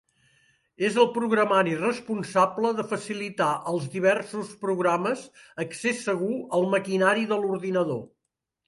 És el programari responsable de facilitar als diversos programes accés segur al maquinari de l'ordinador.